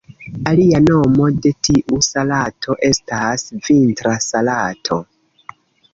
Alia nomo de tiu salato estas "Vintra salato".